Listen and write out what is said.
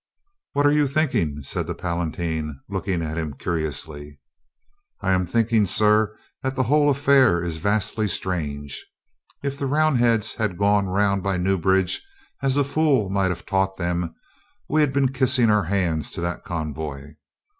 "What are you thinking?" said the Palatine, look ing at him curiously. "I am thinking, sir .., that the whole af fair is vastly strange. .. .If the Round heads had gone round by Newbridge as a fool might have taught them, we had been kissing our hands to that convoy."